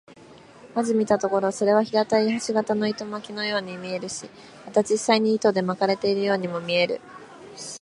まず見たところ、それは平たい星形の糸巻のように見えるし、また実際に糸で巻かれているようにも見える。